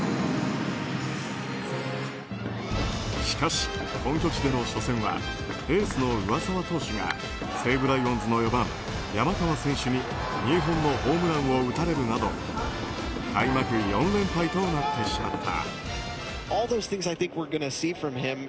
しかし、本拠地での初戦はエースの上沢投手が西武ライオンズの４番、山川選手に２本のホームランを打たれるなど開幕４連敗となってしまった。